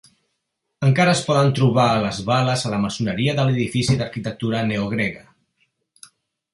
Encara es poden trobar bales a la maçoneria de l'edifici d'arquitectura neogrega.